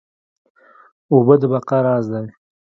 اوبه د بقا راز دي